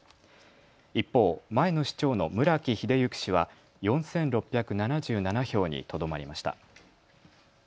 一方、前の市長の村木英幸氏は４６７７票にとどまりました。